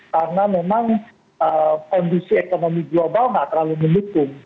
karena memang kondisi ekonomi global tidak terlalu menutup